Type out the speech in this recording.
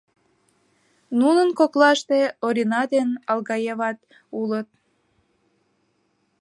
Нунын коклаште Орина ден Алгаеват улыт.